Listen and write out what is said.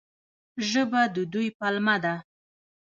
ژبه د دوی پلمه ده.